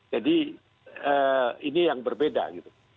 jadi ini yang berbeda gitu